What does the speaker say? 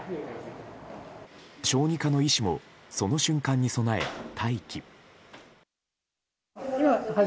小児科の医師もその瞬間に備え待機。